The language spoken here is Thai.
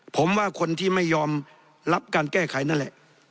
ผมว่าคนที่ไม่ยอมรับการแก้ไขนั่นแหละ